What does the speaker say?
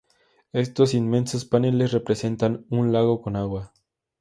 Estos inmensos paneles representan un lago con agua.